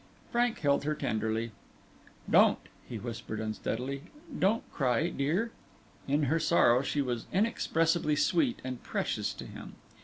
Frank held her tenderly. "Don't," he whispered unsteadily "don't cry, dear." In her sorrow, she was inexpressibly sweet and precious to him.